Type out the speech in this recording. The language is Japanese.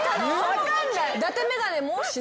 分かんない。